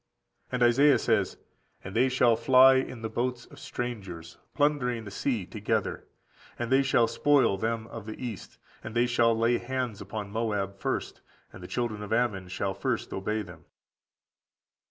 And Isaiah says: "And they shall fly in the boats of strangers, plundering the sea together, and (they shall spoil) them of the east: and they shall lay hands upon Moab first; and the children of Ammon shall first obey them."